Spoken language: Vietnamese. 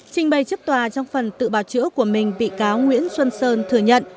trình bày trước tòa trong phần tự bào chữa của mình bị cáo nguyễn xuân sơn thừa nhận